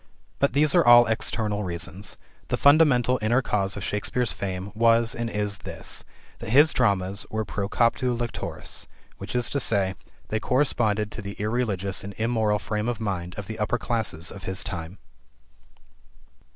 But these are all external reasons. The fundamental inner cause of Shakespeare's fame was and is this: that his dramas were "pro captu lectoris," i.e., they corresponded to the irreligious and immoral frame of mind of the upper classes of his time.